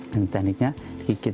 dan tekniknya gigit